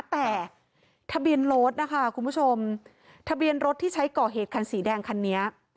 แต่ทะเบียนรถนะคะคุณผู้ชมทะเบียนรถที่ใช้ก่อเหตุคันสีแดงคันนี้